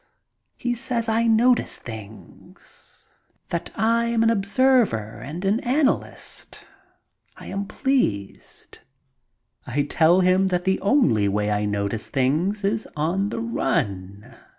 He says I notice things. That I am an observer and an analyst. I am pleased. I tell him that the only way I notice things is on the run.